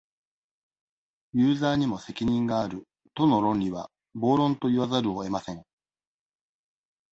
ユーザーにも責任がある、との論理は、暴論と言わざるをえません。